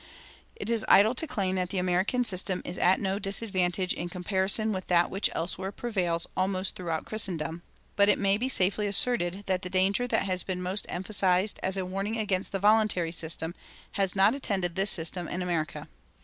It is idle to claim that the American system is at no disadvantage in comparison with that which elsewhere prevails almost throughout Christendom; but it may be safely asserted that the danger that has been most emphasized as a warning against the voluntary system has not attended this system in America.